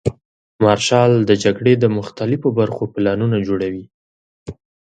مارشال د جګړې د مختلفو برخو پلانونه جوړوي.